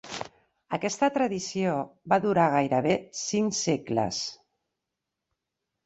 Aquesta tradició va durar gairebé cinc segles.